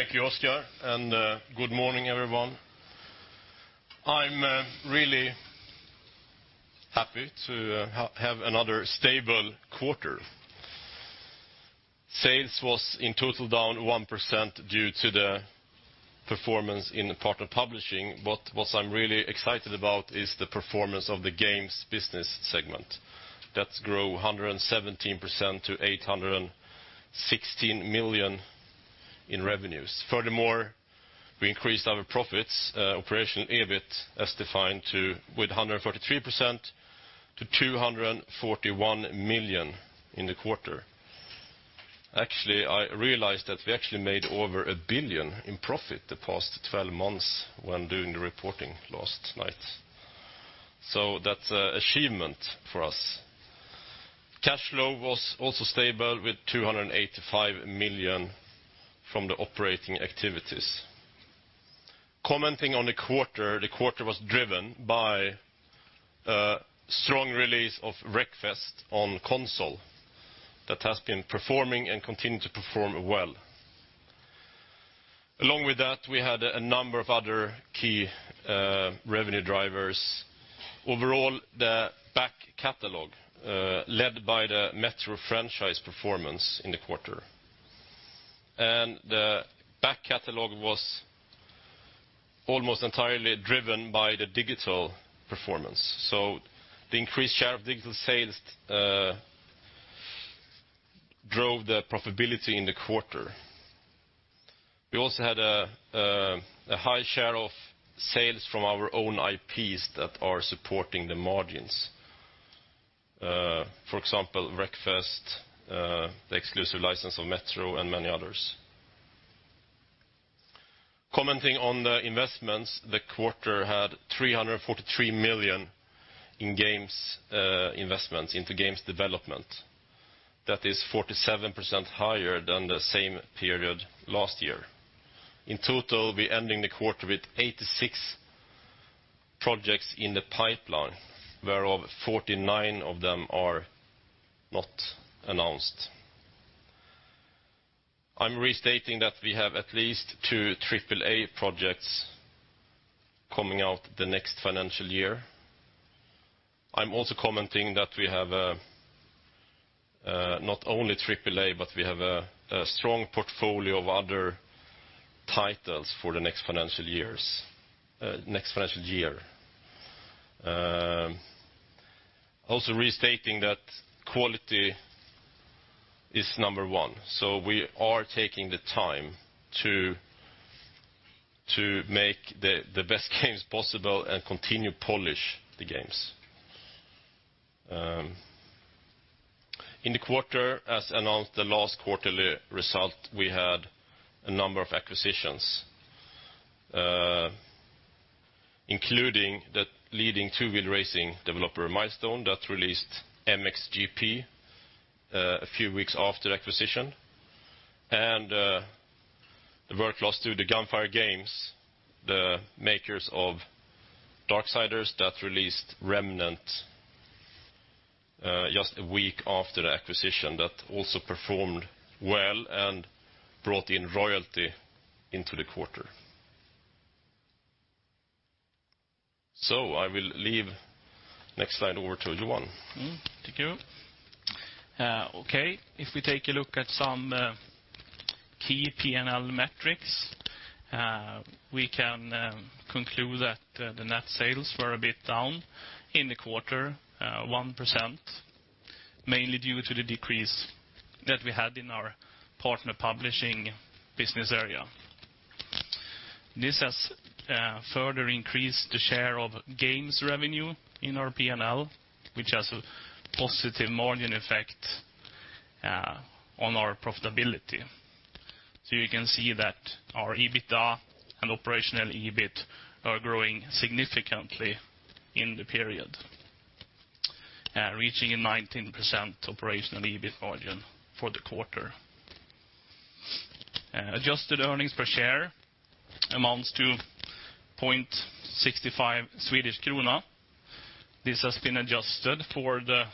Thank you, Oscar, and good morning, everyone. I'm really happy to have another stable quarter. Sales was in total down 1% due to the performance in the partner publishing, but what I'm really excited about is the performance of the games business segment that grew 117% to 816 million in revenues. Furthermore, we increased our profits, operational EBIT as defined with 143% to 241 million in the quarter. Actually, I realized that we actually made over 1 billion in profit the past 12 months when doing the reporting last night. That's an achievement for us. Cash flow was also stable with 285 million from the operating activities. Commenting on the quarter, the quarter was driven by a strong release of "Wreckfest" on console that has been performing and continue to perform well. Along with that, we had a number of other key revenue drivers. Overall, the back catalog, led by the "Metro" franchise performance in the quarter. The back catalog was almost entirely driven by the digital performance. The increased share of digital sales drove the profitability in the quarter. We also had a high share of sales from our own IPs that are supporting the margins. For example, "Wreckfest," the exclusive license of "Metro," and many others. Commenting on the investments, the quarter had 343 million in games investments into games development. That is 47% higher than the same period last year. In total, we're ending the quarter with 86 projects in the pipeline, whereof 49 of them are not announced. I'm restating that we have at least two AAA projects coming out the next financial year. I'm also commenting that we have not only triple A, but we have a strong portfolio of other titles for the next financial year. Also restating that quality is number one. We are taking the time to make the best games possible and continue polish the games. In the quarter, as announced the last quarterly result, we had a number of acquisitions, including the leading two-wheel racing developer Milestone that released "MXGP" a few weeks after acquisition, and the workflows through the Gunfire Games, the makers of "Darksiders" that released "Remnant" just a week after the acquisition, that also performed well and brought in royalty into the quarter. I will leave next slide over to Johan. Thank you. Okay, if we take a look at some key P&L metrics, we can conclude that the net sales were a bit down in the quarter, 1%, mainly due to the decrease that we had in our partner publishing business area. This has further increased the share of games revenue in our P&L, which has a positive margin effect on our profitability. You can see that our EBITDA and operational EBIT are growing significantly in the period, reaching a 19% operational EBIT margin for the quarter. Adjusted earnings per share amounts to 0.65 Swedish krona. This has been adjusted for the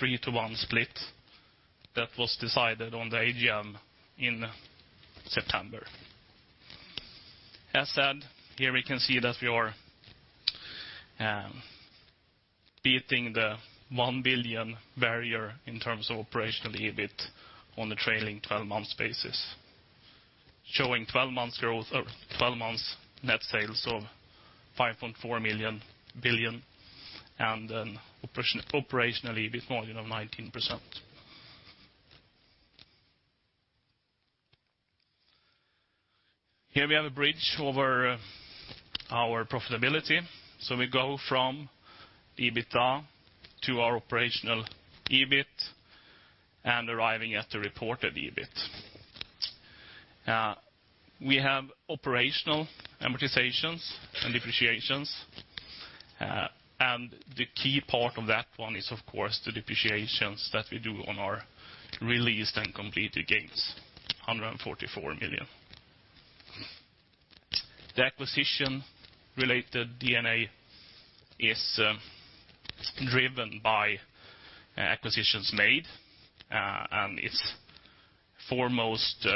3-to-1 split that was decided on the AGM in September. As said, here we can see that we are beating the 1 billion barrier in terms of operational EBIT on the trailing 12 months basis, showing 12 months net sales of 5.4 billion, and an operational EBIT margin of 19%. Here we have a bridge over our profitability. We go from EBITDA to our operational EBIT and arriving at the reported EBIT. We have operational amortizations and depreciations. The key part of that one is, of course, the depreciations that we do on our released and completed games, 144 million. The acquisition-related D&A is driven by acquisitions made, and it's foremost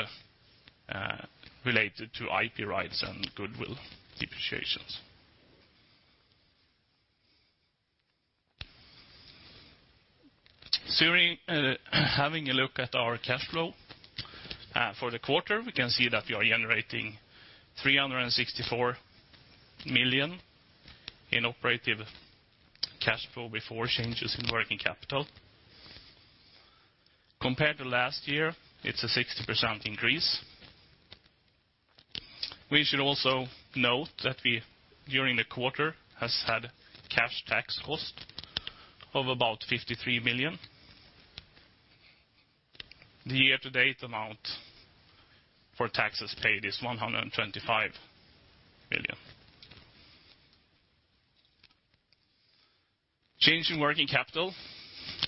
related to IP rights and goodwill depreciations. Having a look at our cash flow for the quarter, we can see that we are generating 364 million in operative cash flow before changes in working capital. Compared to last year, it's a 60% increase. We should also note that we, during the quarter, have had cash tax cost of about 53 million. The year-to-date amount for taxes paid is 125 million. Change in working capital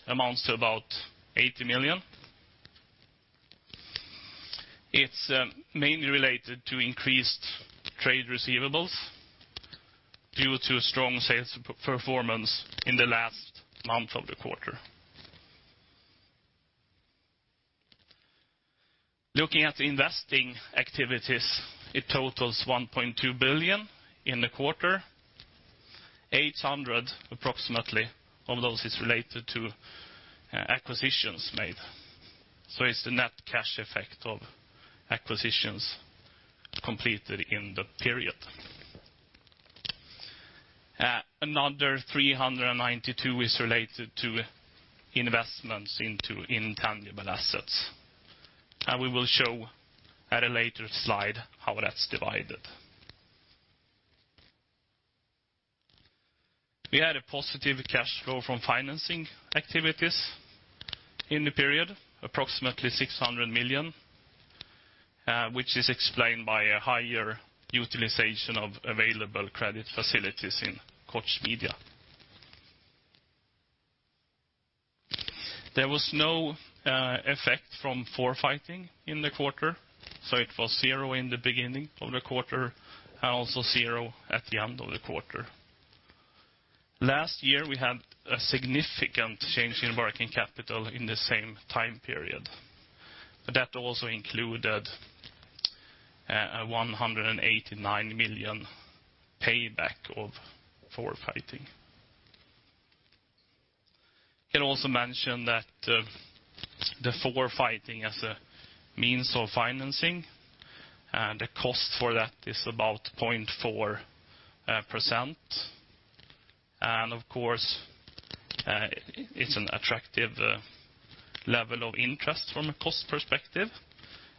amounts to about 80 million. It's mainly related to increased trade receivables due to strong sales performance in the last month of the quarter. Looking at investing activities, it totals 1.2 billion in the quarter. 800 million, approximately, of those is related to acquisitions made. It's the net cash effect of acquisitions completed in the period. Another 392 million is related to investments into intangible assets. We will show at a later slide how that's divided. We had a positive cash flow from financing activities in the period, approximately 600 million, which is explained by a higher utilization of available credit facilities in Koch Media. There was no effect from forfaiting in the quarter, so it was zero in the beginning of the quarter and also zero at the end of the quarter. Last year, we had a significant change in working capital in the same time period, but that also included a 189 million payback of forfaiting. I can also mention that the forfaiting as a means of financing, and the cost for that is about 0.4%. Of course, it's an attractive level of interest from a cost perspective.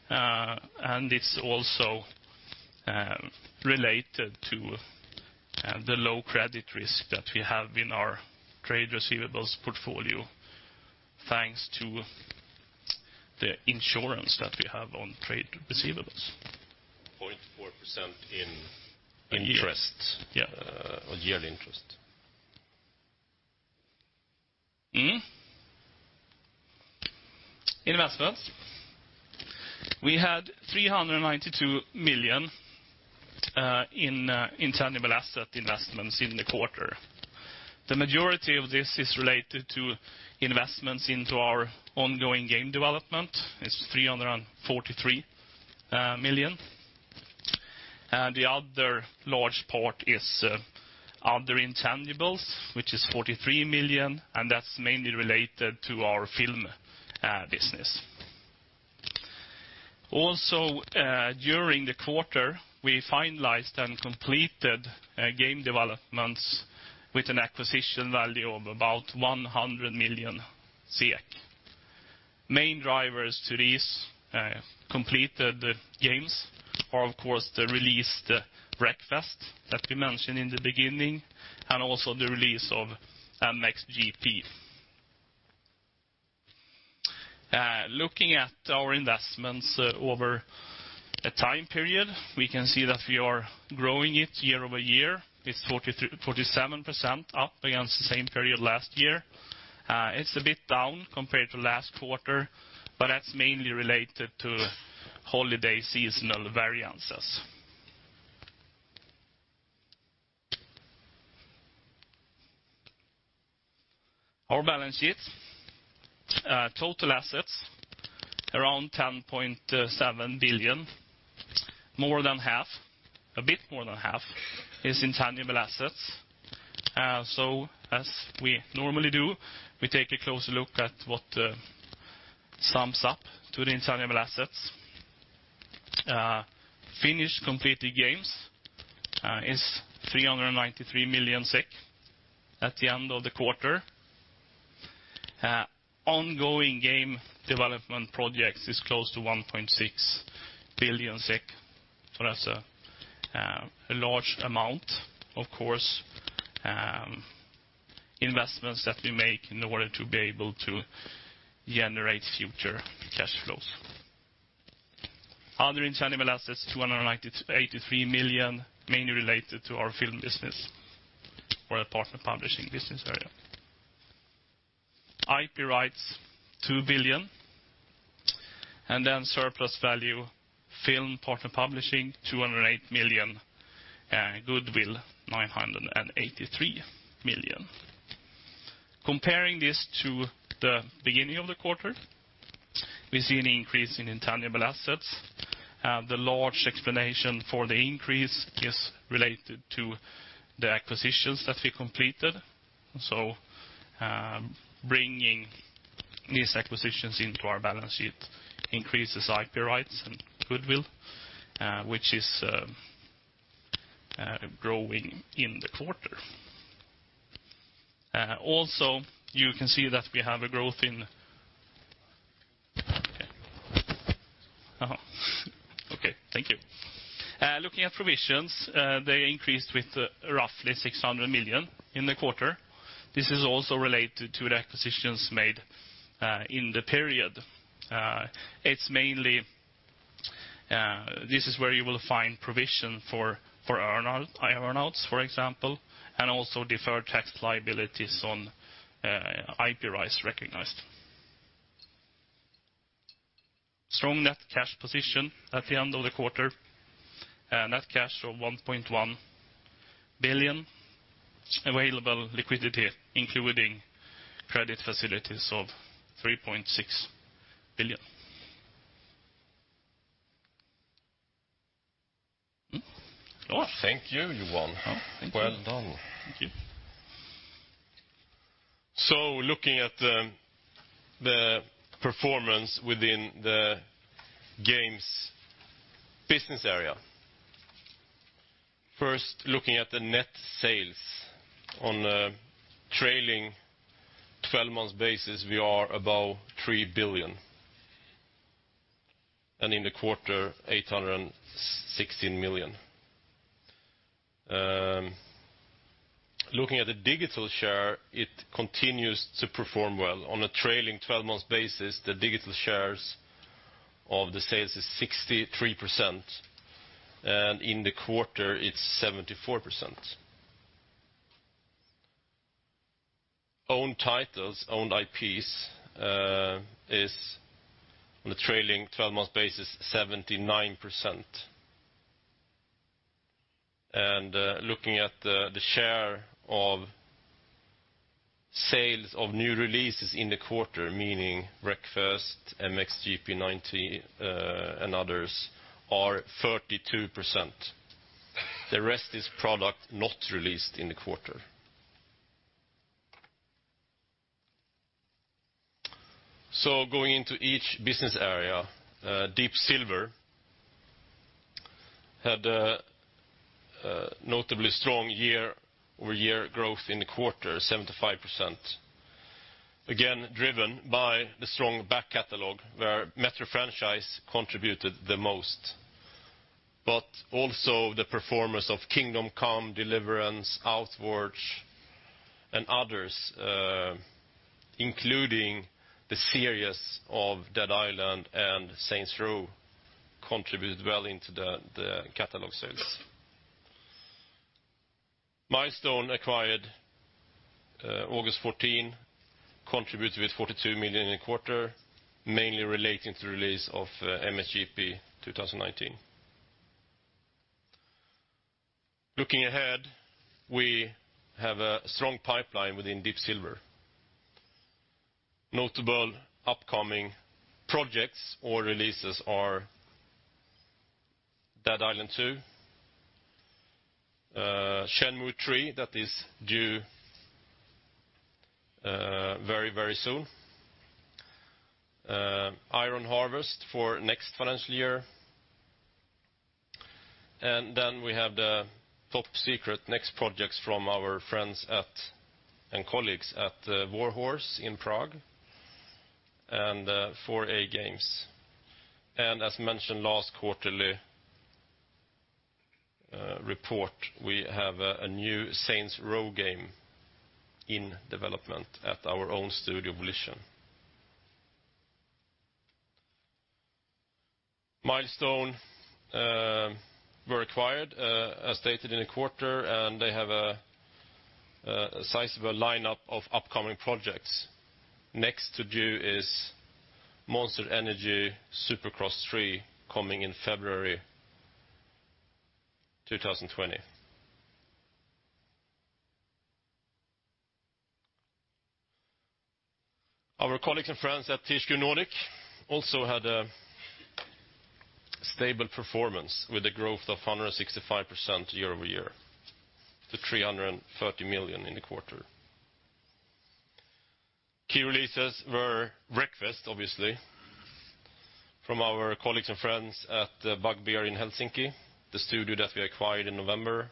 It's also related to the low credit risk that we have in our trade receivables portfolio, thanks to the insurance that we have on trade receivables. 0.4% in interest. Yeah. A yearly interest. Investments. We had 392 million in intangible asset investments in the quarter. The majority of this is related to investments into our ongoing game development. It's 343 million. The other large part is other intangibles, which is 43 million, and that's mainly related to our film business. Also, during the quarter, we finalized and completed game developments with an acquisition value of about 100 million. Main drivers to these completed games are, of course, the released Wreckfest that we mentioned in the beginning, and also the release of MXGP. Looking at our investments over a time period, we can see that we are growing it year-over-year. It's 47% up against the same period last year. It's a bit down compared to last quarter, but that's mainly related to holiday seasonal variances. Our balance sheet. Total assets, around 10.7 billion. A bit more than half is intangible assets. As we normally do, we take a closer look at what sums up to the intangible assets. Finished completed games is 393 million SEK at the end of the quarter. Ongoing game development projects is close to 1.6 billion SEK. That's a large amount, of course, investments that we make in order to be able to generate future cash flows. Other intangible assets, 283 million, mainly related to our film business or our partner publishing business area. IP rights, 2 billion. Then surplus value, film partner publishing, 208 million. Goodwill, 983 million. Comparing this to the beginning of the quarter, we see an increase in intangible assets. The large explanation for the increase is related to the acquisitions that we completed. Bringing these acquisitions into our balance sheet increases IP rights and goodwill, which is growing in the quarter. Also, you can see that we have a growth. Okay, thank you. Looking at provisions, they increased with roughly 600 million in the quarter. This is also related to the acquisitions made in the period. This is where you will find provision for earn-outs, for example, and also deferred tax liabilities on IP rights recognized. Strong net cash position at the end of the quarter. Net cash of 1.1 billion. Available liquidity, including credit facilities, of 3.6 billion. Lars? Thank you, Johan. Thank you. Well done. Thank you. Looking at the performance within the Games business area. First, looking at the net sales. On a trailing 12 months basis, we are above 3 billion, and in the quarter, 816 million. Looking at the digital share, it continues to perform well. On a trailing 12 months basis, the digital shares of the sales is 63%, and in the quarter it's 74%. Owned titles, owned IPs, is, on a trailing 12 months basis, 79%. Looking at the share of sales of new releases in the quarter, meaning Wreckfest, MXGP 20, and others, are 32%. The rest is product not released in the quarter. Going into each business area, Deep Silver had a notably strong year-over-year growth in the quarter, 75%. Again, driven by the strong back catalog where Metro franchise contributed the most. Also the performance of Kingdom Come: Deliverance, Outward, and others including the series of Dead Island and Saints Row, contribute well into the catalog sales. Milestone acquired August 14, contributed with 42 million in the quarter, mainly relating to the release of MXGP 2019. Looking ahead, we have a strong pipeline within Deep Silver. Notable upcoming projects or releases are Dead Island 2, Shenmue 3, that is due very soon. Iron Harvest for next financial year. We have the top secret next projects from our friends at, and colleagues at Warhorse in Prague and 4A Games. As mentioned last quarterly report, we have a new Saints Row game in development at our own studio, Volition. Milestone were acquired, as stated in the quarter, and they have a sizable lineup of upcoming projects. Next to do is Monster Energy Supercross 3, coming in February 2020. Our colleagues and friends at THQ Nordic also had a stable performance with a growth of 165% year-over-year to 330 million in the quarter. Key releases were Wreckfest, obviously, from our colleagues and friends at Bugbear in Helsinki, the studio that we acquired in November.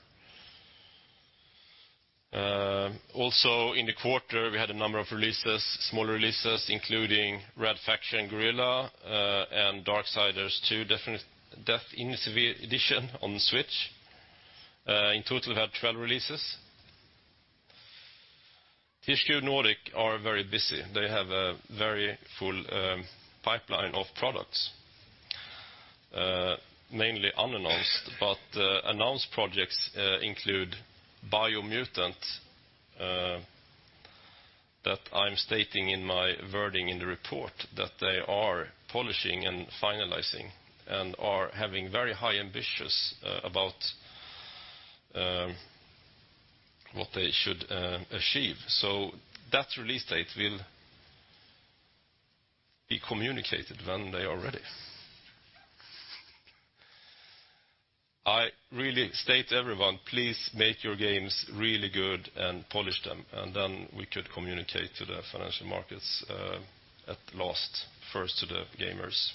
Also in the quarter, we had a number of releases, smaller releases, including Red Faction: Guerrilla and Darksiders II: Deathinitive Edition on Switch. In total, we had 12 releases. THQ Nordic are very busy. They have a very full pipeline of products. Mainly unannounced, but announced projects include Biomutant, that I'm stating in my wording in the report that they are polishing and finalizing and are having very high ambitions about what they should achieve. That release date will be communicated when they are ready. I really state, everyone, please make your games really good and polish them. Then we could communicate to the financial markets at last, first to the gamers.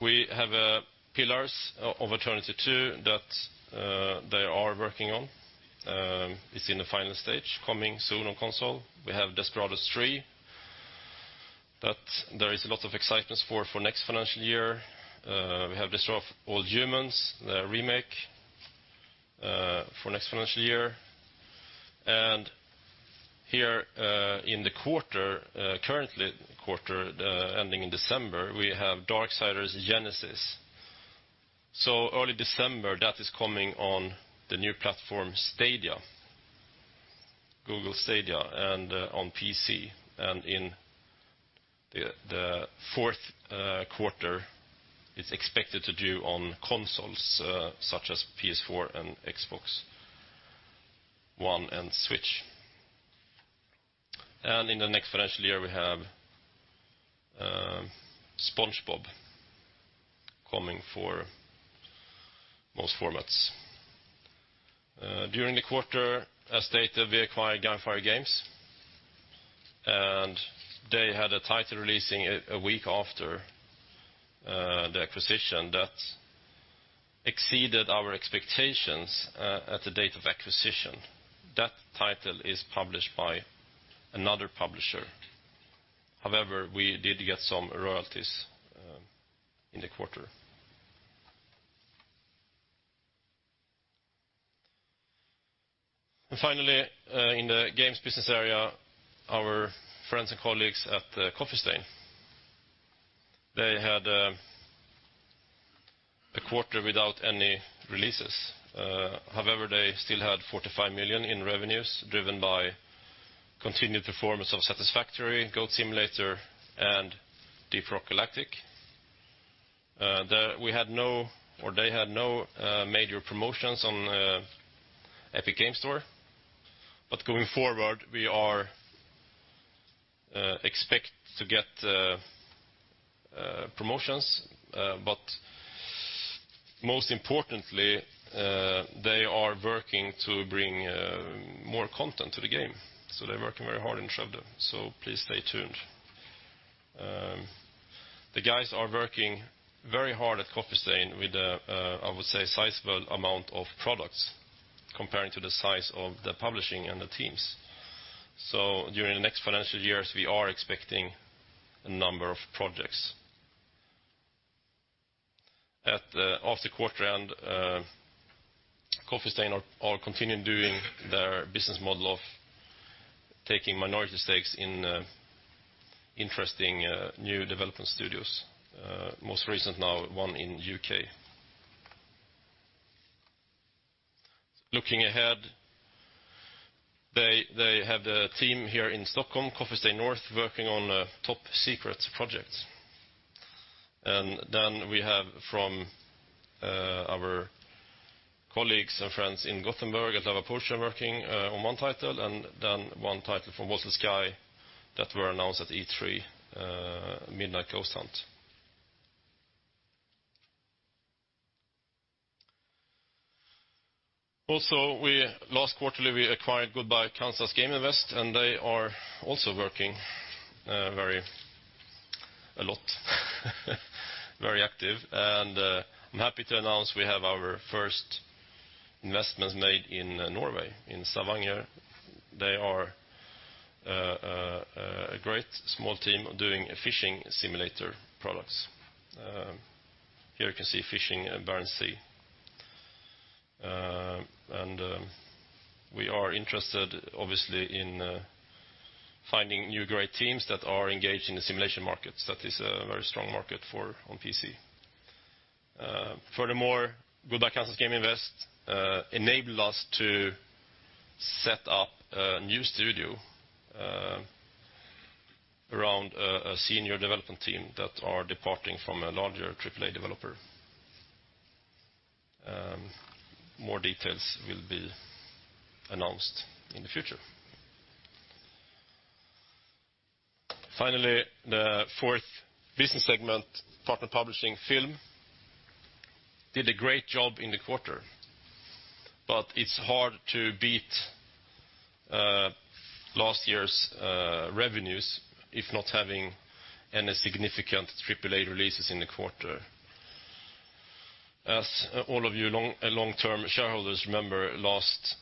We have Pillars of Eternity II that they are working on. It's in the final stage, coming soon on console. We have Desperados III, that there is a lot of excitement for next financial year. We have Destroy All Humans!, the remake, for next financial year. Here in the quarter, currently quarter, ending in December, we have Darksiders Genesis. Early December, that is coming on the new platform Stadia, Google Stadia, on PC, and in the fourth quarter, it's expected to do on consoles, such as PS4 and Xbox One and Switch. In the next financial year, we have SpongeBob coming for most formats. During the quarter, as stated, we acquired Gunfire Games, and they had a title releasing a week after the acquisition that exceeded our expectations at the date of acquisition. That title is published by another publisher. However, we did get some royalties in the quarter. Finally, in the games business area, our friends and colleagues at Coffee Stain, they had a quarter without any releases. However, they still had 45 million in revenues driven by continued performance of Satisfactory, Goat Simulator, and Deep Rock Galactic. They had no major promotions on Epic Games Store. Going forward, we are expect to get promotions. Most importantly, they are working to bring more content to the game. They're working very hard in Skövde, so please stay tuned. The guys are working very hard at Coffee Stain with, I would say, a sizable amount of products comparing to the size of the publishing and the teams. During the next financial years, we are expecting a number of projects. At the quarter end, Coffee Stain are continuing doing their business model of taking minority stakes in interesting new development studios. Most recent now, one in U.K. Looking ahead, they have the team here in Stockholm, Coffee Stain North, working on a top secret project. We have from our colleagues and friends in Gothenburg at Lavapotion working on one title, and then one title from Moss and Sky that were announced at E3, Midnight Ghost Hunt. Also, last quarterly, we acquired Goodbye Kansas Game Invest, and they are also working a lot. Very active. I'm happy to announce we have our first investments made in Norway, in Stavanger. They are a great small team doing fishing simulator products. Here you can see Fishing: Barents Sea. We are interested, obviously, in finding new great teams that are engaged in the simulation markets. That is a very strong market on PC. Furthermore, Goodbye Kansas Game Invest enabled us to set up a new studio around a senior development team that are departing from a larger AAA developer. More details will be announced in the future. Finally, the fourth business segment, partner publishing film, did a great job in the quarter. It's hard to beat last year's revenues if not having any significant AAA releases in the quarter. As all of you long-term shareholders remember, last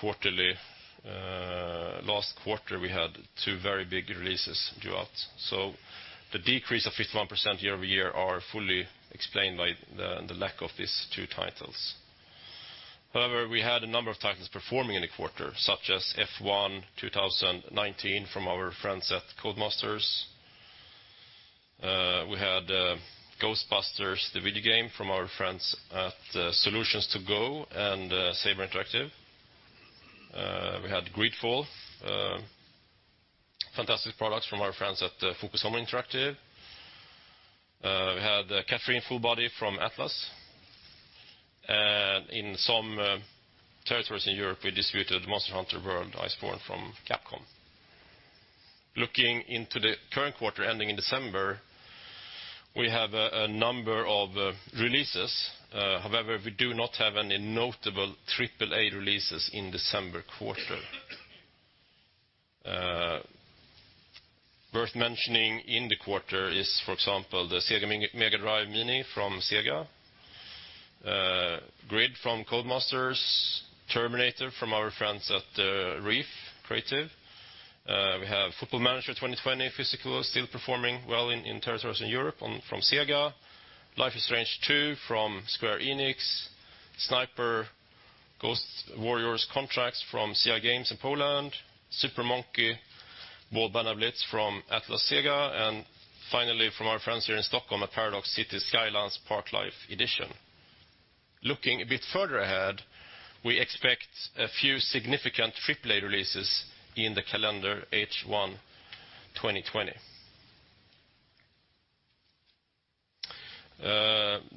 quarter we had two very big releases go out. The decrease of 51% year-over-year are fully explained by the lack of these two titles. However, we had a number of titles performing in the quarter, such as "F1 2019" from our friends at Codemasters. We had "Ghostbusters: The Video Game" from our friends at Solutions 2 Go and Saber Interactive. We had "GreedFall," a fantastic product from our friends at Focus Home Interactive. We had "Catherine: Full Body" from Atlus. In some territories in Europe, we distributed "Monster Hunter World: Iceborne" from Capcom. Looking into the current quarter ending in December, we have a number of releases. However, we do not have any notable AAA releases in December quarter. Worth mentioning in the quarter is, for example, the SEGA Mega Drive Mini from SEGA, "Grid" from Codemasters, "Terminator" from our friends at Reef Entertainment. We have "Football Manager 2020" physical still performing well in territories in Europe from SEGA, "Life Is Strange 2" from Square Enix, "Sniper Ghost Warrior Contracts" from CI Games in Poland, "Super Monkey Ball: Banana Blitz HD" from Atlus SEGA, and finally, from our friends here in Stockholm at Paradox City Skies, "Cities: Skylines - Parklife" edition. Looking a bit further ahead, we expect a few significant AAA releases in the calendar H1 2020.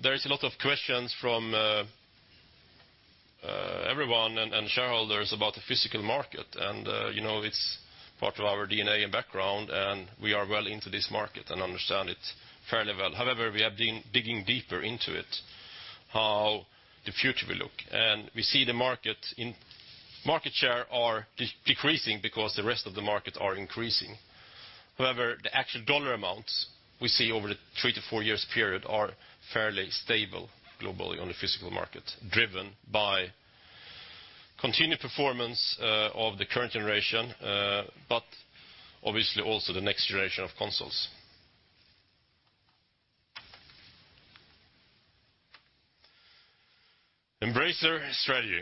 There's a lot of questions from everyone and shareholders about the physical market. It's part of our DNA and background. We are well into this market and understand it fairly well. However, we are digging deeper into it, how the future will look. We see the market share are decreasing because the rest of the market are increasing. The actual dollar amounts we see over the three to four years period are fairly stable globally on the physical market, driven by continued performance of the current generation, but obviously also the next generation of consoles. Embracer strategy.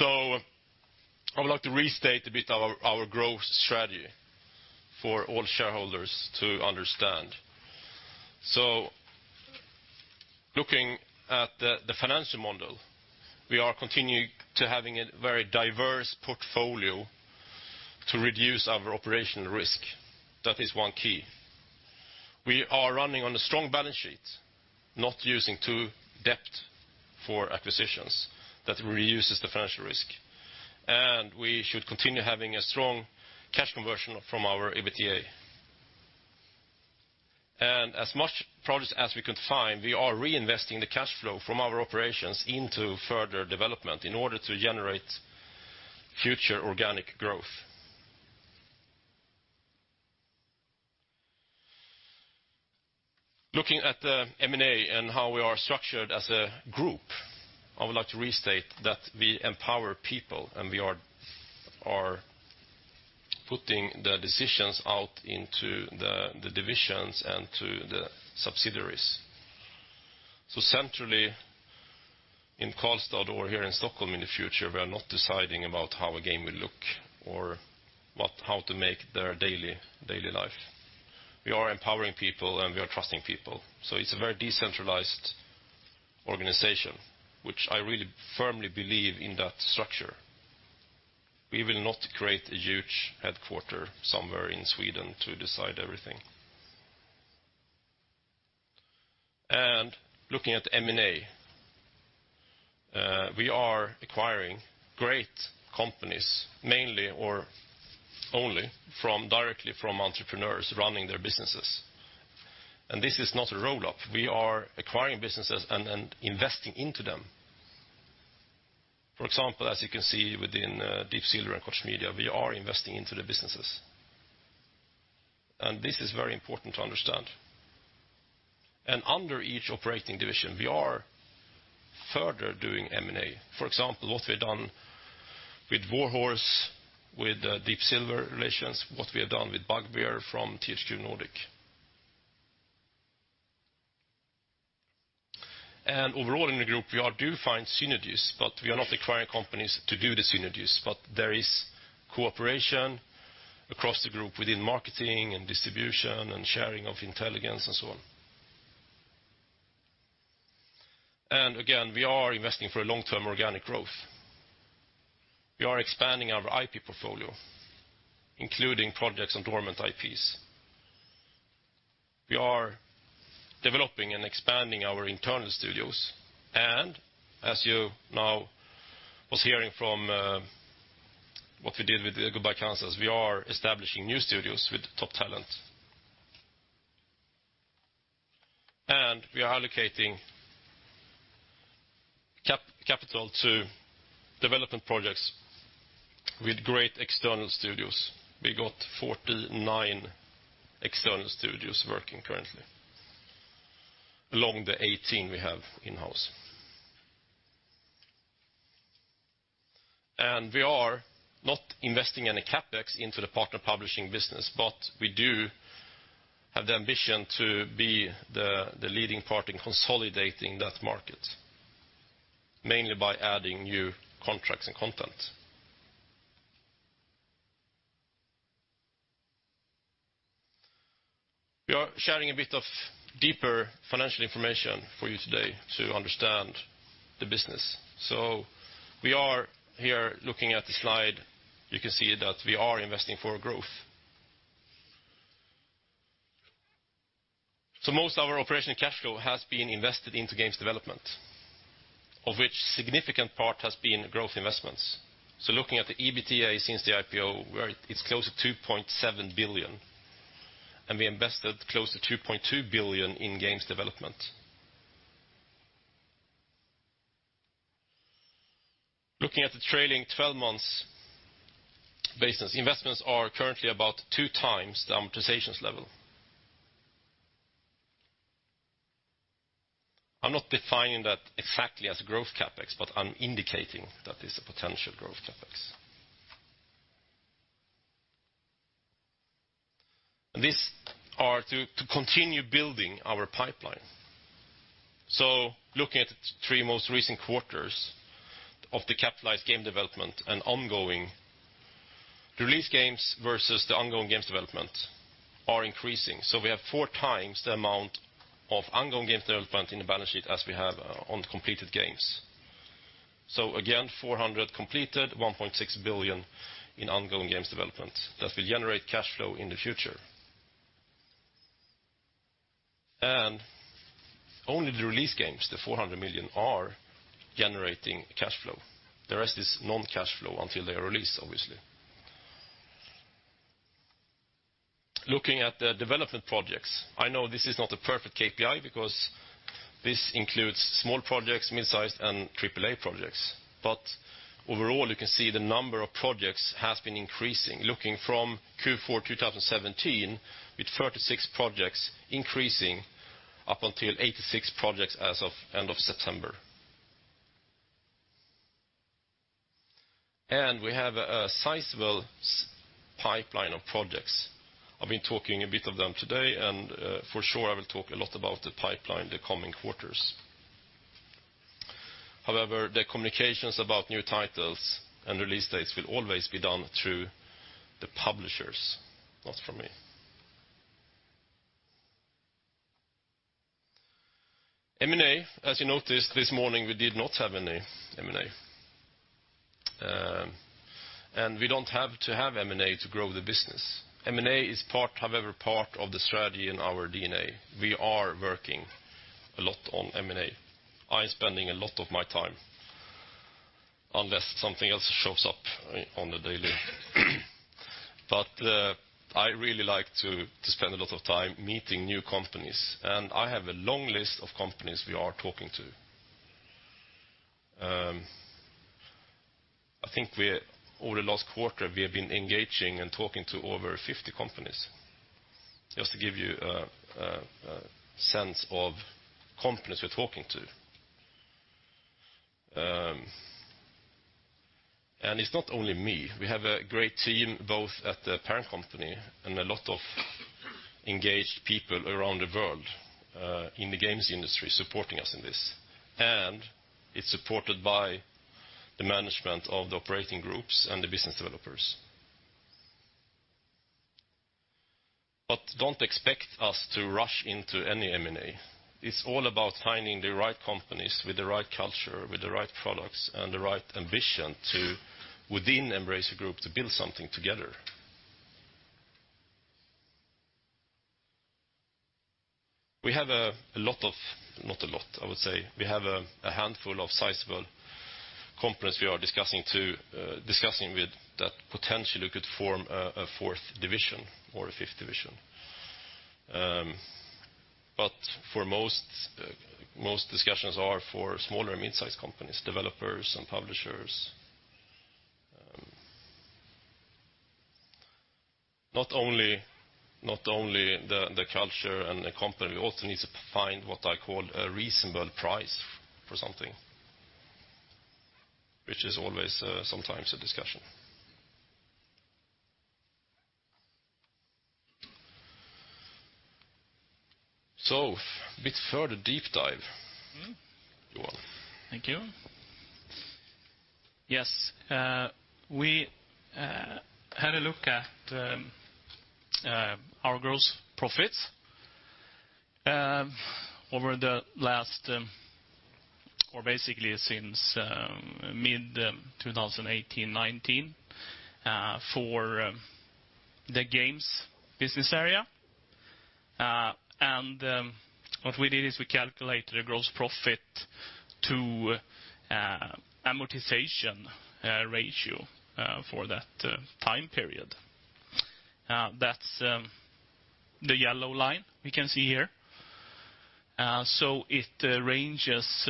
I would like to restate a bit our growth strategy for all shareholders to understand. Looking at the financial model, we are continuing to having a very diverse portfolio to reduce our operational risk. That is one key. We are running on a strong balance sheet, not using too debt for acquisitions that reduces the financial risk. We should continue having a strong cash conversion from our EBITDA. As much projects as we could find, we are reinvesting the cash flow from our operations into further development in order to generate future organic growth. Looking at the M&A and how we are structured as a group, I would like to restate that we empower people, and we are putting the decisions out into the divisions and to the subsidiaries. Centrally in Karlstad or here in Stockholm in the future, we are not deciding about how a game will look or how to make their daily life. We are empowering people, and we are trusting people. It's a very decentralized organization, which I really firmly believe in that structure. We will not create a huge headquarter somewhere in Sweden to decide everything. Looking at M&A, we are acquiring great companies, mainly or only directly from entrepreneurs running their businesses. This is not a roll-up. We are acquiring businesses and investing into them. For example, as you can see within Deep Silver and Koch Media, we are investing into the businesses. This is very important to understand. Under each operating division, we are further doing M&A. For example, what we've done with Warhorse, with Deep Silver relations, what we have done with Bugbear from THQ Nordic. Overall in the group, we are do find synergies, but we are not acquiring companies to do the synergies. There is cooperation across the group within marketing and distribution and sharing of intelligence and so on. Again, we are investing for a long-term organic growth. We are expanding our IP portfolio, including projects on dormant IPs. We are developing and expanding our internal studios. As you now was hearing from what we did with the Goodbye Kansas, we are establishing new studios with top talent. We are allocating capital to development projects with great external studios. We got 49 external studios working currently, along the 18 we have in-house. We are not investing any CapEx into the partner publishing business, but we do have the ambition to be the leading part in consolidating that market, mainly by adding new contracts and content. We are sharing a bit of deeper financial information for you today to understand the business. We are here looking at the slide, you can see that we are investing for growth. Most of our operation cash flow has been invested into games development, of which significant part has been growth investments. Looking at the EBITDA since the IPO, where it's close to 2.7 billion, and we invested close to 2.2 billion in games development. Looking at the trailing 12 months basis, investments are currently about two times the optimizations level. I'm not defining that exactly as growth CapEx, but I'm indicating that is a potential growth CapEx. These are to continue building our pipeline. Looking at the three most recent quarters of the capitalized game development and ongoing release games versus the ongoing games development are increasing. We have four times the amount of ongoing games development in the balance sheet as we have on completed games. Again, 400 completed, 1.6 billion in ongoing games development that will generate cash flow in the future. Only the released games, the 400 million, are generating cash flow. The rest is non-cash flow until they are released, obviously. Looking at the development projects, I know this is not a perfect KPI because this includes small projects, mid-size, and triple A projects. Overall, you can see the number of projects has been increasing. Looking from Q4 2017 with 36 projects increasing up until 86 projects as of end of September. We have a sizable pipeline of projects. I've been talking a bit of them today, and for sure I will talk a lot about the pipeline the coming quarters. However, the communications about new titles and release dates will always be done through the publishers, not from me. M&A, as you noticed this morning, we did not have any M&A. We don't have to have M&A to grow the business. M&A is however part of the strategy in our DNA. We are working a lot on M&A. I'm spending a lot of my time, unless something else shows up on the daily. I really like to spend a lot of time meeting new companies, and I have a long list of companies we are talking to. I think over the last quarter, we have been engaging and talking to over 50 companies, just to give you a sense of companies we're talking to. It's not only me. We have a great team, both at the parent company and a lot of engaged people around the world, in the games industry supporting us in this. It's supported by the management of the operating groups and the business developers. Don't expect us to rush into any M&A. It's all about finding the right companies with the right culture, with the right products, and the right ambition to, within Embracer Group, to build something together. We have a handful of sizable companies we are discussing with that potentially could form a fourth division or a fifth division. Most discussions are for smaller mid-size companies, developers and publishers. Not only the culture and the company, we also need to find what I call a reasonable price for something, which is always sometimes a discussion. A bit further deep dive, Johan. Thank you. Yes. We had a look at our gross profits over the last, or basically since mid-2018-2019, for the games business area. What we did is we calculated a gross profit to amortization ratio for that time period. That's the yellow line we can see here. It ranges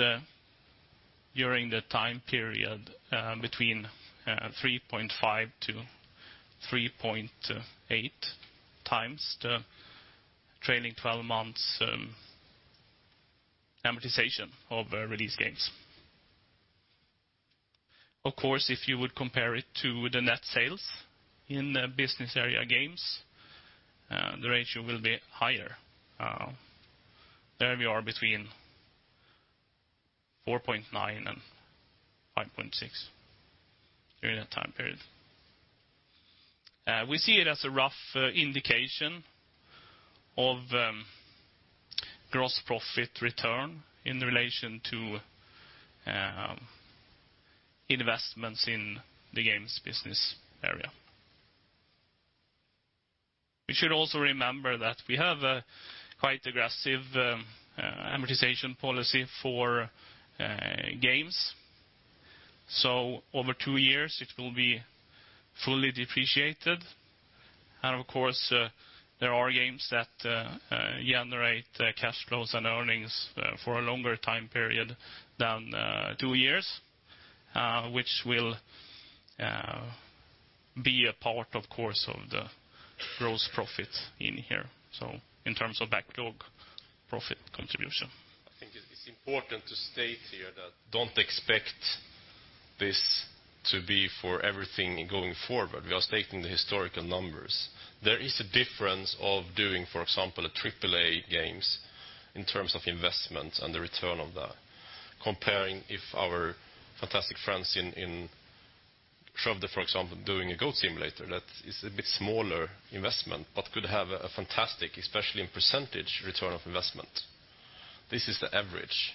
during the time period between 3.5-3.8 times the trailing 12 months Amortization of released games. Of course, if you would compare it to the net sales in the business area games, the ratio will be higher. There we are between 4.9 and 5.6 during that time period. We see it as a rough indication of gross profit return in relation to investments in the games business area. We should also remember that we have a quite aggressive amortization policy for games. Over two years it will be fully depreciated. of course, there are games that generate cash flows and earnings for a longer time period than two years, which will be a part, of course, of the gross profit in here. in terms of backlog profit contribution. I think it's important to state here that don't expect this to be for everything going forward. We are stating the historical numbers. There is a difference of doing, for example, AAA games in terms of investment and the return of that. Comparing if our fantastic friends in Skövde, for example, doing a Goat Simulator, that is a bit smaller investment, but could have a fantastic, especially in percentage, return of investment. This is the average.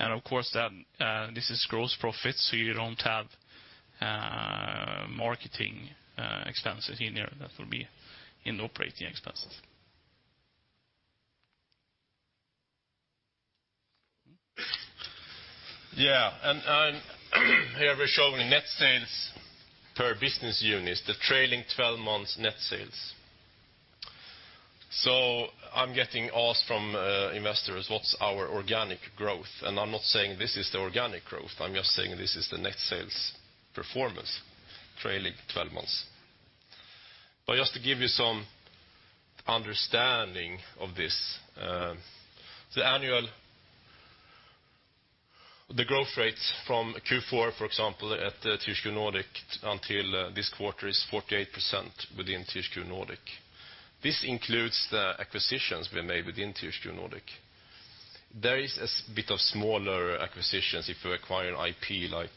Of course, this is gross profit, so you don't have marketing expenses in there. That will be in operating expenses. Yeah. Here we're showing net sales per business unit, the trailing 12 months net sales. I'm getting asked from investors what's our organic growth, and I'm not saying this is the organic growth. I'm just saying this is the net sales performance trailing 12 months. Just to give you some understanding of this, the growth rates from Q4, for example, at THQ Nordic until this quarter is 48% within THQ Nordic. This includes the acquisitions we made within THQ Nordic. There is a bit of smaller acquisitions if we acquire an IP like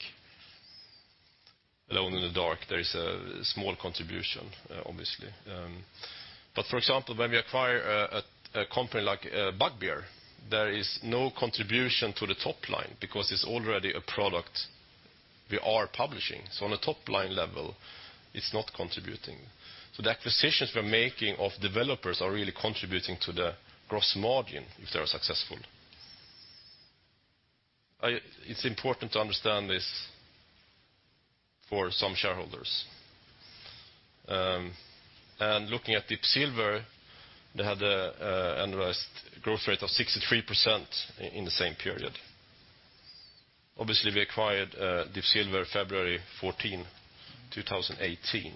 Alone in the Dark, there is a small contribution, obviously. For example, when we acquire a company like Bugbear, there is no contribution to the top line because it's already a product we are publishing. On a top-line level, it's not contributing. The acquisitions we're making of developers are really contributing to the gross margin if they are successful. It's important to understand this for some shareholders. Looking at Deep Silver, they had an annualized growth rate of 63% in the same period. Obviously, we acquired Deep Silver February 14, 2018.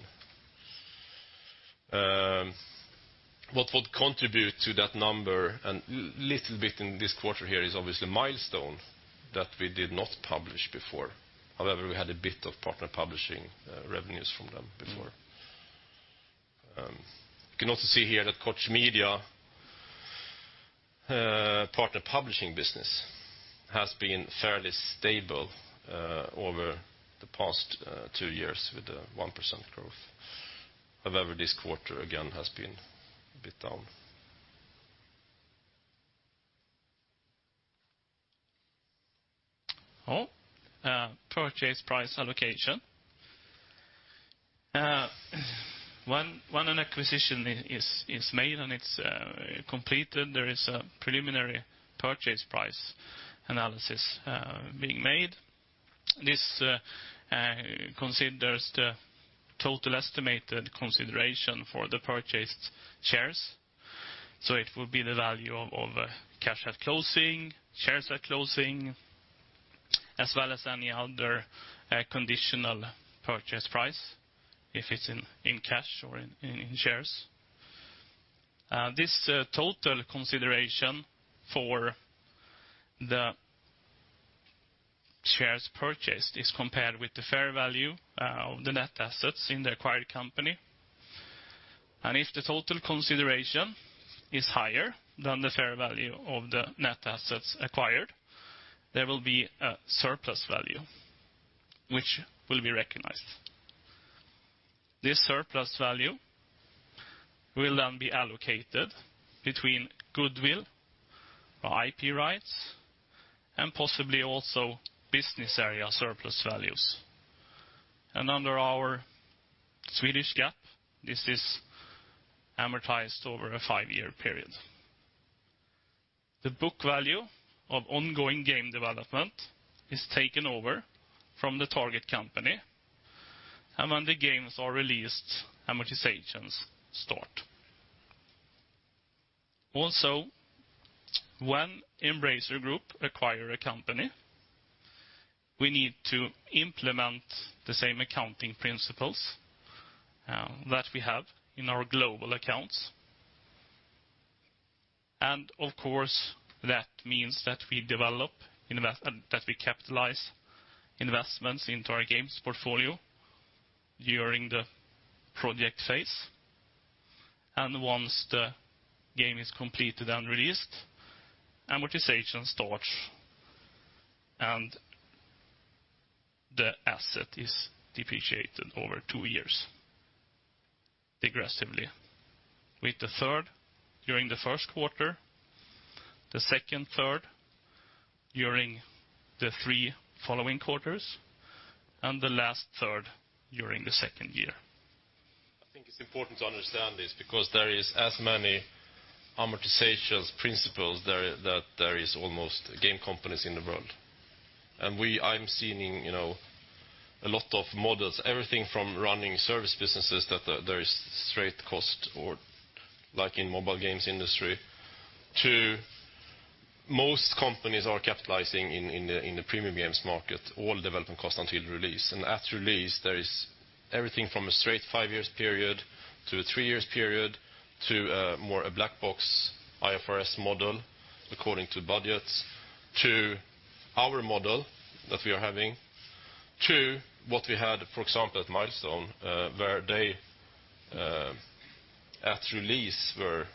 What would contribute to that number, and little bit in this quarter here is obviously Milestone that we did not publish before. However, we had a bit of partner publishing revenues from them before. You can also see here that Koch Media partner publishing business has been fairly stable over the past two years with a 1% growth. However, this quarter again has been a bit down. Oh, purchase price allocation. When an acquisition is made and it's completed, there is a preliminary purchase price analysis being made. This considers the total estimated consideration for the purchased shares. It will be the value of cash at closing, shares at closing, as well as any other conditional purchase price, if it's in cash or in shares. This total consideration for the shares purchased is compared with the fair value of the net assets in the acquired company. If the total consideration is higher than the fair value of the net assets acquired, there will be a surplus value, which will be recognized. This surplus value will then be allocated between goodwill, IP rights, and possibly also business area surplus values. Under our Swedish GAAP, this is amortized over a five-year period. The book value of ongoing game development is taken over from the target company. When the games are released, amortizations start. Also, when Embracer Group acquire a company, we need to implement the same accounting principles that we have in our global accounts. Of course, that means that we capitalize investments into our games portfolio during the project phase. Once the game is completed and released, amortization starts, and the asset is depreciated over two years aggressively, with the third during the first quarter, the second third during the three following quarters, and the last third during the second year. I think it's important to understand this because there is as many amortization principles that there is almost game companies in the world. I'm seeing a lot of models, everything from running service businesses that there is straight cost or like in mobile games industry, to most companies are capitalizing in the premium games market, all development costs until release. after release, there is everything from a straight five years period to a three years period to more a black box IFRS model according to budgets, to our model that we are having, to what we had, for example, at Milestone, where they at release were-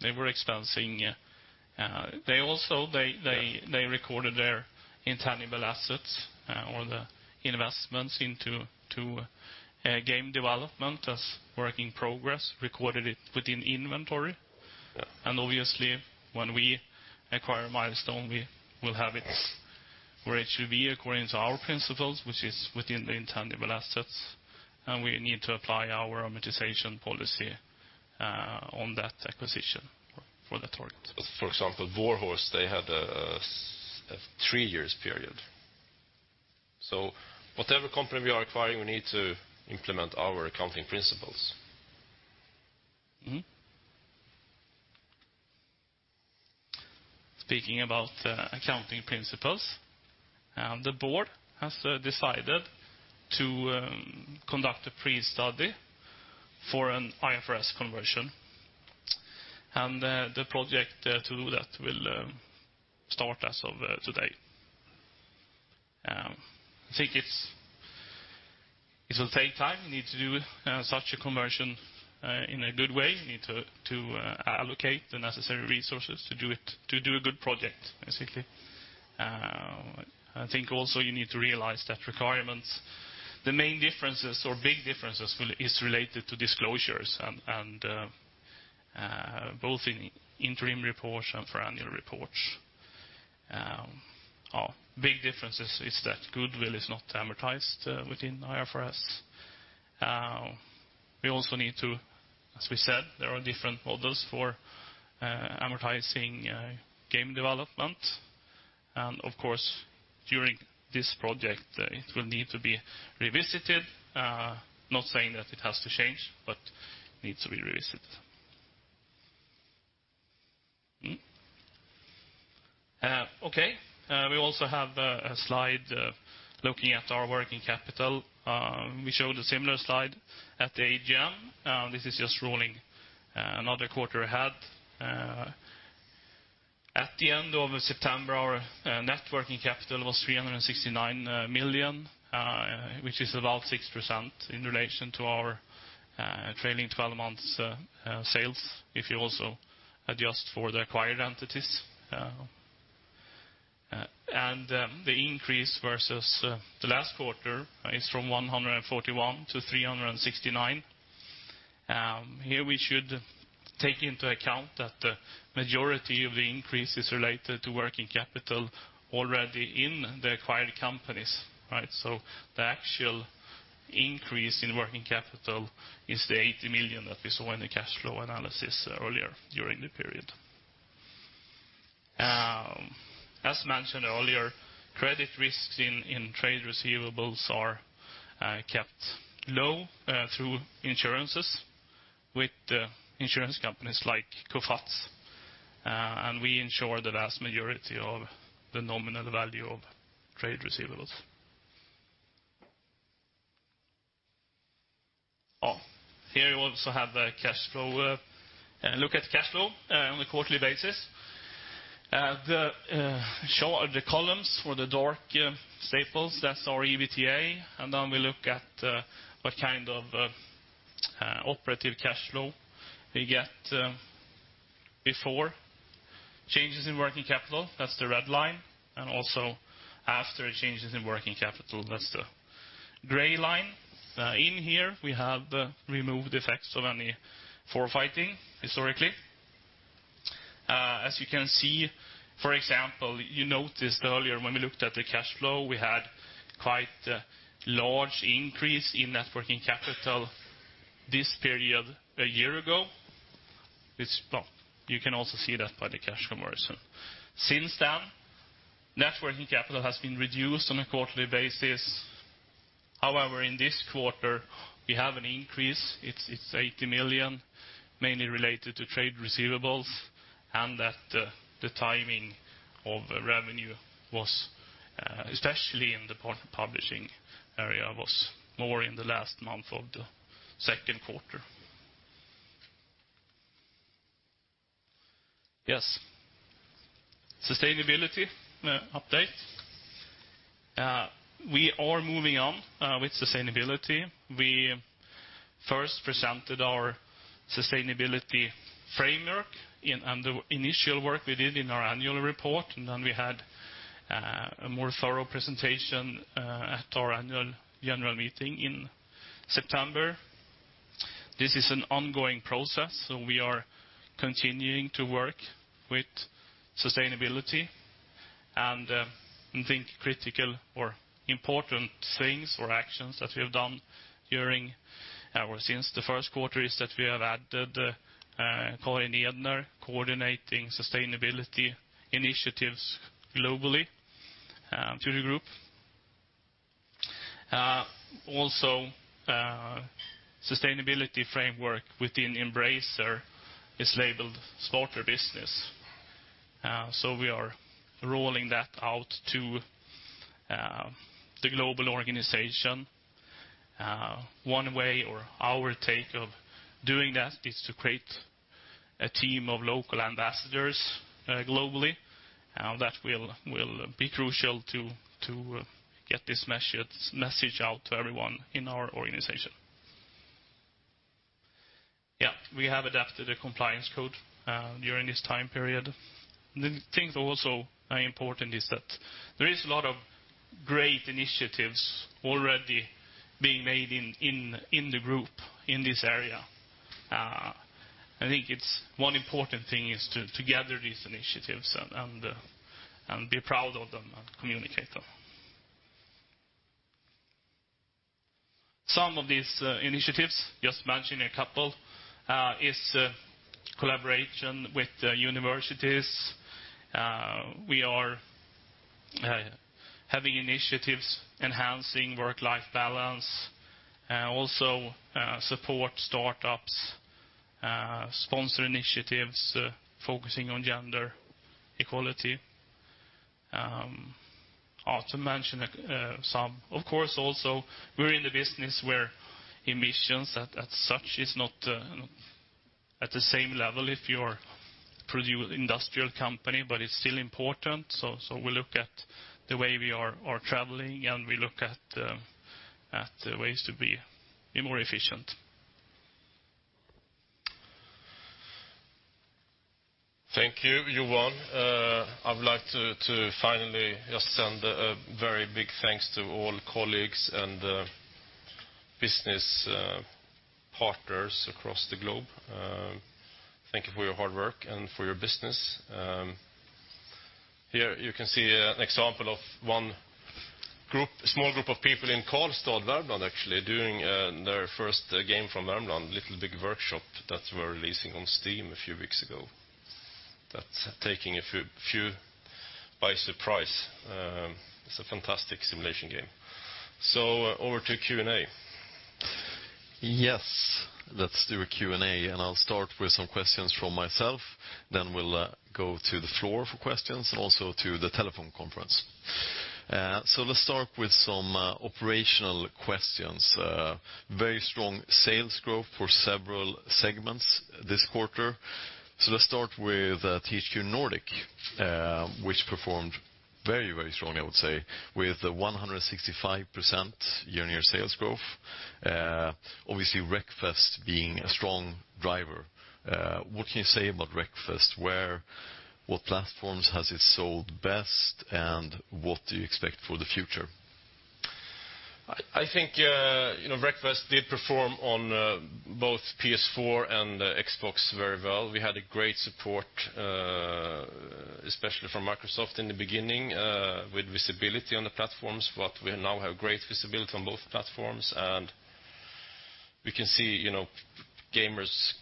They were expensing. Also, they recorded their intangible assets or the investments into game development as work in progress, recorded it within inventory. Yeah. Obviously, when we acquire Milestone, we will have it where it should be according to our principles, which is within the intangible assets. We need to apply our amortization policy on that acquisition for that target. For example, Warhorse, they had a three years period. Whatever company we are acquiring, we need to implement our accounting principles. Speaking about accounting principles, the board has decided to conduct a pre-study for an IFRS conversion. The project to do that will start as of today. I think it will take time. You need to do such a conversion in a good way. You need to allocate the necessary resources to do a good project, basically. I think also you need to realize that requirements, the main differences or big differences is related to disclosures, and both in interim reports and for annual reports. Big differences is that goodwill is not amortized within IFRS. We also need to, as we said, there are different models for amortizing game development. Of course, during this project, it will need to be revisited. Not saying that it has to change, but needs to be revisited. Okay. We also have a slide looking at our working capital. We showed a similar slide at the AGM. This is just rolling another quarter ahead. At the end of September, our net working capital was 369 million, which is about 6% in relation to our trailing 12 months sales, if you also adjust for the acquired entities. The increase versus the last quarter is from 141 to 369. Here we should take into account that the majority of the increase is related to working capital already in the acquired companies. The actual increase in working capital is the 80 million that we saw in the cash flow analysis earlier during the period. As mentioned earlier, credit risks in trade receivables are kept low through insurances with insurance companies like Coface, and we ensure the vast majority of the nominal value of trade receivables. Here we also have a look at cash flow on a quarterly basis. The columns for the dark staples, that's our EBITDA, and then we look at what kind of operative cash flow we get before changes in working capital. That's the red line, and also after changes in working capital. That's the gray line. In here, we have removed effects of any forfaiting historically. As you can see, for example, you noticed earlier when we looked at the cash flow, we had quite a large increase in net working capital this period a year ago. You can also see that by the cash conversion. Since then, net working capital has been reduced on a quarterly basis. However, in this quarter, we have an increase. It's 80 million, mainly related to trade receivables, and that the timing of revenue, especially in the publishing area, was more in the last month of the second quarter. Yes. Sustainability update. We are moving on with sustainability. We first presented our sustainability framework and the initial work we did in our annual report, and then we had a more thorough presentation at our annual general meeting in September. This is an ongoing process, so we are continuing to work with sustainability, and I think critical or important things or actions that we have done since the first quarter is that we have added Karin Jedner coordinating sustainability initiatives globally to the group. Also, sustainability framework within Embracer is labeled Smarter Business. We are rolling that out to the global organization. One way, or our take of doing that is to create a team of local ambassadors globally, and that will be crucial to get this message out to everyone in our organization. We have adopted a compliance code during this time period. The thing that also important is that there is a lot of great initiatives already being made in the group in this area. I think one important thing is to gather these initiatives and be proud of them and communicate them. Some of these initiatives, just mention a couple, is collaboration with universities. We are having initiatives enhancing work-life balance, also support startups, sponsor initiatives focusing on gender equality. To mention some, of course, also, we're in the business where emissions as such is not at the same level if you are industrial company, but it's still important. We look at the way we are traveling, and we look at ways to be more efficient. Thank you, Johan. I would like to finally just send a very big thanks to all colleagues and business partners across the globe. Thank you for your hard work and for your business. Here you can see an example of one small group of people in Karlstad, Värmland, actually, doing their first game from Värmland, "Little Big Workshop" that we're releasing on Steam a few weeks ago. That's taking a few by surprise. It's a fantastic simulation game. Over to Q&A. Yes. Let's do a Q&A, and I'll start with some questions from myself, then we'll go to the floor for questions, also to the telephone conference. Let's start with some operational questions. Very strong sales growth for several segments this quarter. Let's start with THQ Nordic, which performed very strongly, I would say, with 165% year-over-year sales growth. Obviously, "Wreckfest" being a strong driver. What can you say about "Wreckfest?" What platforms has it sold best, and what do you expect for the future? I think "Wreckfest" did perform on both PS4 and Xbox very well. We had great support, especially from Microsoft in the beginning, with visibility on the platforms, but we now have great visibility on both platforms, and we can see gamers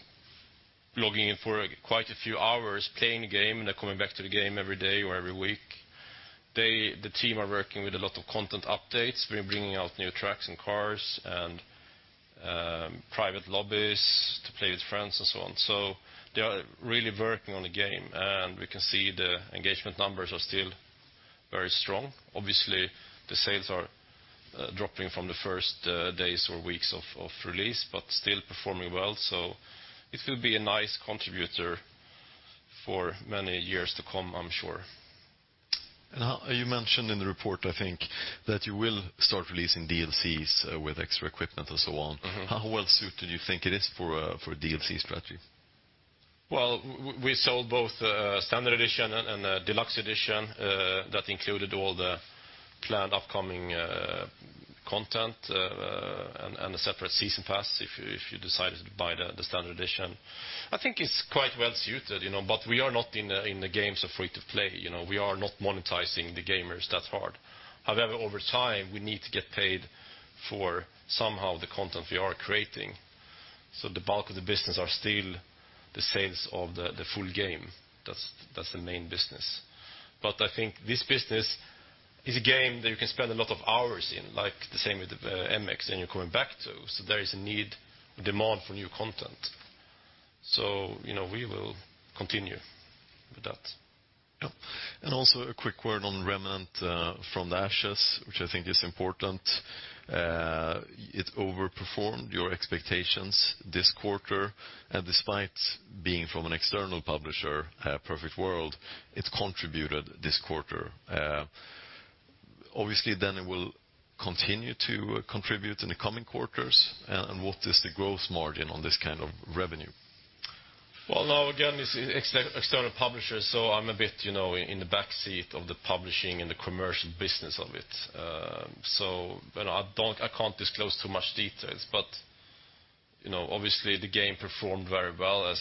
logging in for quite a few hours playing the game, and they're coming back to the game every day or every week. The team are working with a lot of content updates. We're bringing out new tracks and cars and private lobbies to play with friends and so on. They are really working on the game, and we can see the engagement numbers are still very strong. Obviously, the sales are dropping from the first days or weeks of release, but still performing well. It will be a nice contributor for many years to come, I'm sure. You mentioned in the report, I think, that you will start releasing DLCs with extra equipment and so on. How well suited you think it is for a DLC strategy? Well, we sold both a standard edition and a deluxe edition that included all the planned upcoming content, and a separate season pass if you decided to buy the standard edition. I think it's quite well-suited, but we are not in the games of free to play. We are not monetizing the gamers that hard. However, over time, we need to get paid for somehow the content we are creating. The bulk of the business are still the sales of the full game. That's the main business. I think this business is a game that you can spend a lot of hours in, like the same with the "MX" and you're coming back to. There is a need, demand for new content. We will continue with that. Yeah. also a quick word on "Remnant: From the Ashes," which I think is important. It overperformed your expectations this quarter, and despite being from an external publisher, Perfect World, it contributed this quarter. Obviously, then it will continue to contribute in the coming quarters? what is the gross margin on this kind of revenue? Well, now again, it's external publishers, so I'm a bit in the back seat of the publishing and the commercial business of it. I can't disclose too much details, but obviously the game performed very well as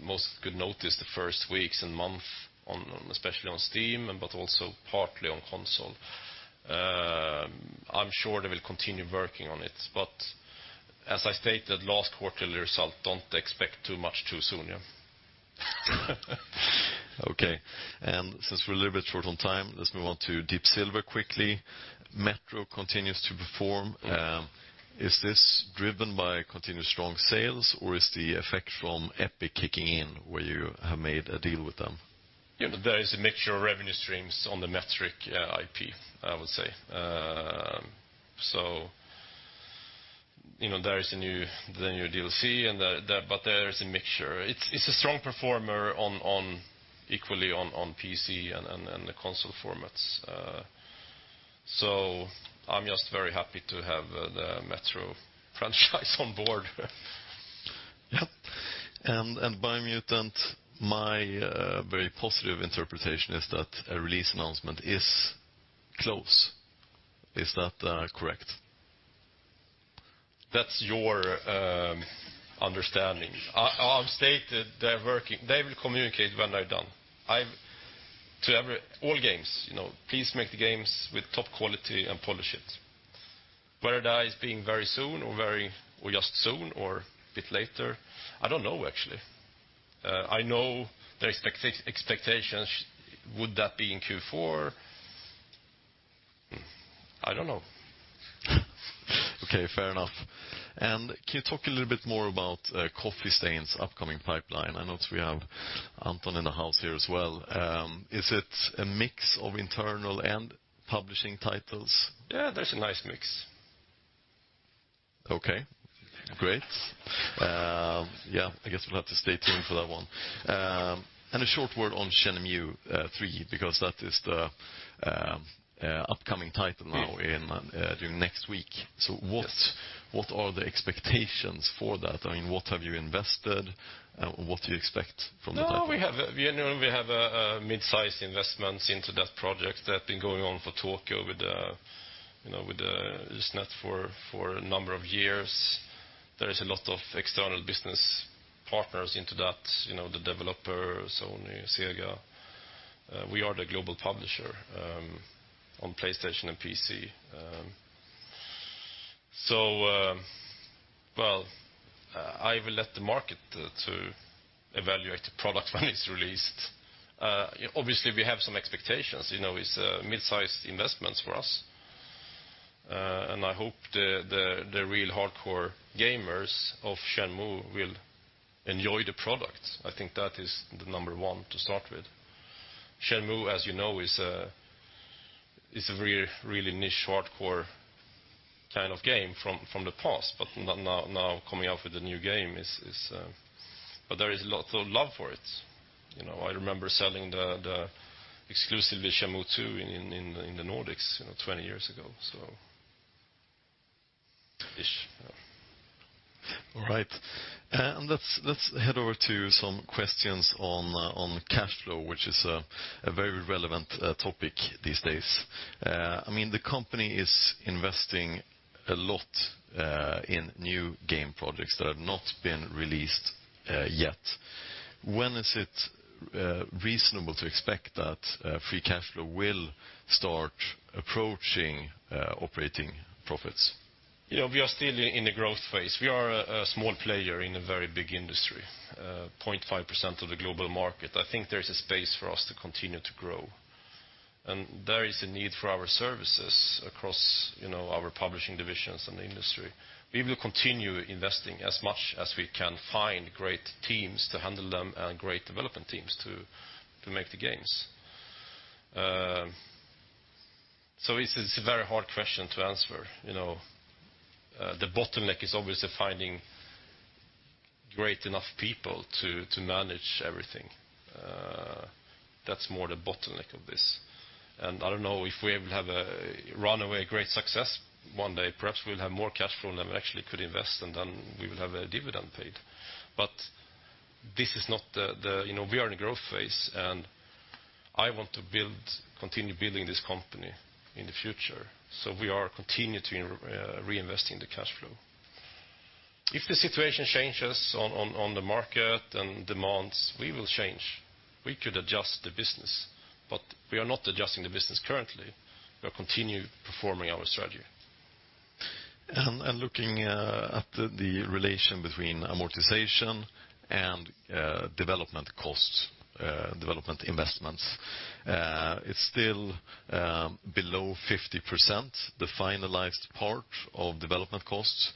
most could notice the first weeks and month especially on Steam, but also partly on console. I'm sure they will continue working on it. As I stated last quarterly result, don't expect too much too soon. Okay. Since we're a little bit short on time, let's move on to Deep Silver quickly. "Metro" continues to perform. Is this driven by continuous strong sales, or is the effect from Epic kicking in where you have made a deal with them? Yeah, there is a mixture of revenue streams on the "Metro" IP, I would say. There is the new DLC but there is a mixture. It's a strong performer equally on PC and the console formats. I'm just very happy to have the "Metro" franchise on board. Yep. "Biomutant," my very positive interpretation is that a release announcement is close. Is that correct? That's your understanding. I've stated they will communicate when they're done. All games, please make the games with top quality and polish it. Whether that is being very soon or just soon or a bit later, I don't know actually. I know the expectations would that be in Q4. I don't know. Okay, fair enough. Can you talk a little bit more about Coffee Stain's upcoming pipeline? I notice we have Anton in the house here as well. Is it a mix of internal and publishing titles? Yeah, there's a nice mix. Okay, great. Yeah, I guess we'll have to stay tuned for that one. a short word on "Shenmue III," because that is the upcoming title now during next week. Yes. What are the expectations for that? What have you invested? What do you expect from the title? We have a mid-size investment into that project that been going on for Tokyo with Ys Net for a number of years. There is a lot of external business partners into that, the developers, Sony, Sega. We are the global publisher on PlayStation and PC. well, I will let the market to evaluate the product when it's released. Obviously, we have some expectations, it's a mid-size investment for us. I hope the real hardcore gamers of "Shenmue" will enjoy the product. I think that is the number one to start with. "Shenmue," as you know, is a really niche hardcore kind of game from the past, but now coming out with a new game is. There is lots of love for it. I remember selling the exclusive "Shenmue 2" in the Nordics 20 years ago, so. Ish. All right. Let's head over to some questions on cash flow, which is a very relevant topic these days. The company is investing a lot in new game projects that have not been released yet. When is it reasonable to expect that free cash flow will start approaching operating profits? We are still in the growth phase. We are a small player in a very big industry, 0.5% of the global market. I think there's a space for us to continue to grow. There is a need for our services across our publishing divisions and the industry. We will continue investing as much as we can find great teams to handle them and great development teams to make the games. It's a very hard question to answer. The bottleneck is obviously finding great enough people to manage everything. That's more the bottleneck of this. I don't know if we will have a runaway great success one day. Perhaps we'll have more cash flow than we actually could invest, and then we will have a dividend paid. We are in a growth phase, and I want to continue building this company in the future. we are continuing to reinvest in the cash flow. If the situation changes on the market and demands, we will change. We could adjust the business, but we are not adjusting the business currently. We are continue performing our strategy. Looking at the relation between amortization and development costs, development investments. It's still below 50%, the finalized part of development costs.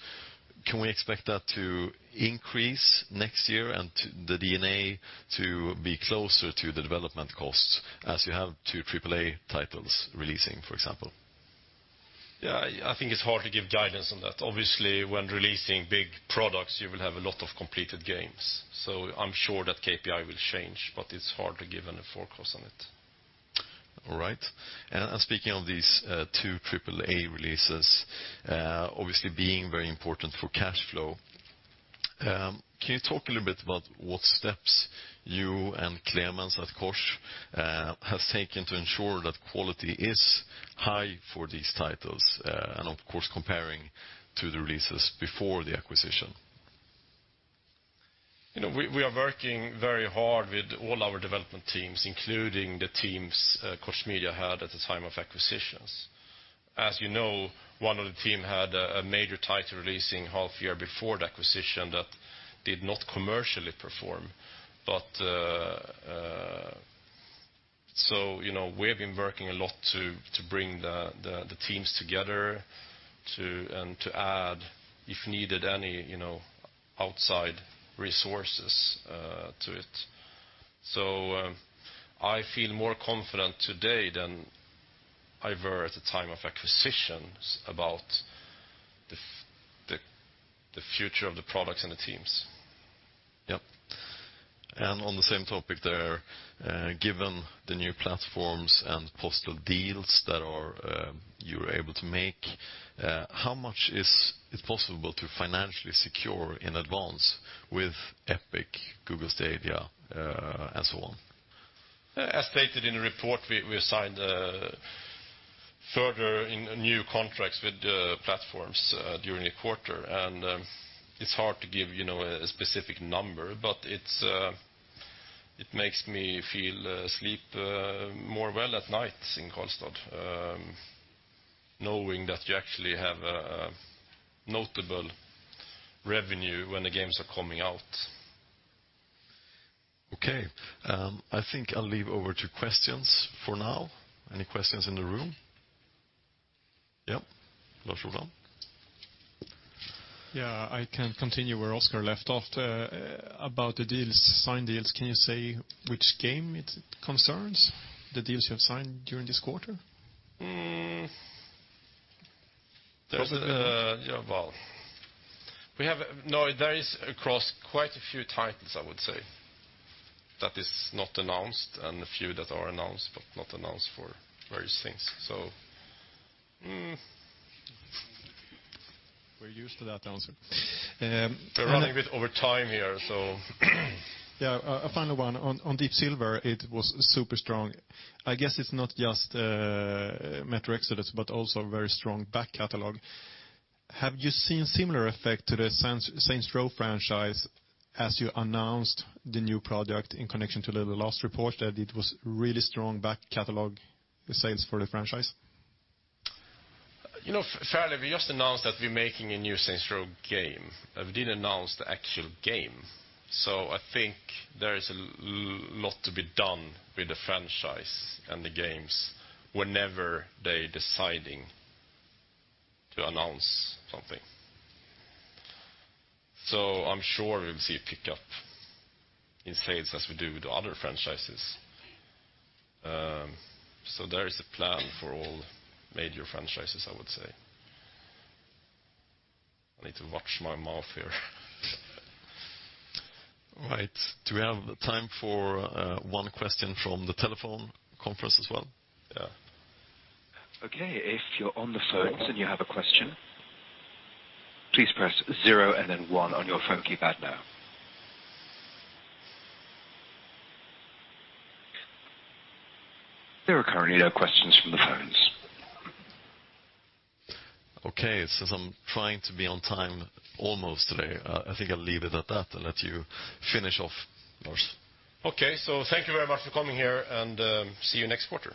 Can we expect that to increase next year and the D&A to be closer to the development costs as you have two triple A titles releasing, for example? Yeah. I think it's hard to give guidance on that. Obviously, when releasing big products, you will have a lot of completed games. I'm sure that KPI will change, but it's hard to give a forecast on it. All right. Speaking of these two triple A releases, obviously being very important for cash flow, can you talk a little bit about what steps you and Klemens at Koch have taken to ensure that quality is high for these titles, and of course, comparing to the releases before the acquisition? We are working very hard with all our development teams, including the teams Koch Media had at the time of acquisitions. As you know, one of the team had a major title releasing half year before the acquisition that did not commercially perform. We have been working a lot to bring the teams together to add, if needed any, outside resources to it. I feel more confident today than I were at the time of acquisitions about the future of the products and the teams. Yep. On the same topic there, given the new platforms and platform deals that you were able to make, how much is it possible to financially secure in advance with Epic, Google Stadia, and so on? As stated in the report, we signed further in new contracts with platforms during the quarter. it's hard to give a specific number, but it makes me sleep more well at night in Karlstad knowing that you actually have a notable revenue when the games are coming out. Okay. I think I'll leave over to questions for now. Any questions in the room? Yep. Lars Roland. Yeah, I can continue where Oscar left off. About the signed deals, can you say which game it concerns, the deals you have signed during this quarter? Well, no, that is across quite a few titles, I would say. That is not announced, and a few that are announced, but not announced for various things. We're used to that answer. We're running a bit over time here. Yeah. A final one. On Deep Silver, it was super strong. I guess it's not just Metro Exodus, but also a very strong back catalog. Have you seen similar effect to the Saints Row franchise as you announced the new project in connection to the last report that it was really strong back catalog sales for the franchise? Fairly, we just announced that we're making a new Saints Row game. We didn't announce the actual game. I think there is a lot to be done with the franchise and the games whenever they're deciding to announce something. I'm sure we'll see a pickup in sales as we do with the other franchises. There is a plan for all major franchises, I would say. I need to watch my mouth here. All right. Do we have the time for one question from the telephone conference as well? Yeah. Okay. If you're on the phones and you have a question, please press zero and then one on your phone keypad now. There are currently no questions from the phones. Okay. Since I'm trying to be on time almost today, I think I'll leave it at that and let you finish off, Lars. Thank you very much for coming here and see you next quarter.